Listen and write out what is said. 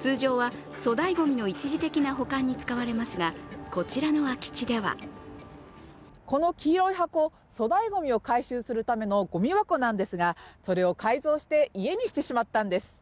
通常は、粗大ごみの一時的な保管に使われますが、こちらの空き地ではこの黄色い箱、粗大ごみを回収するためのごみ箱なんですが、それを改造して家にしてしまったんです。